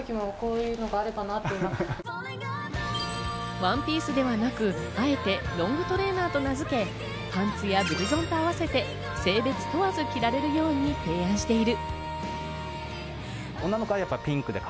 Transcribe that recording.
ワンピースではなく、あえてロングトレーナーと名付け、パンツやブルゾンと合わせて性別問わず着られるように提案している。